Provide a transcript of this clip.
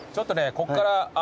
ここから。